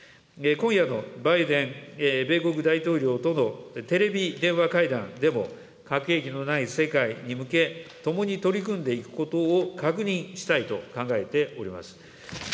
今夜のバイデン米国大統領とのテレビ電話会談でも、核兵器のない世界に向け、共に取り組んでいくことを確認したいと考えております。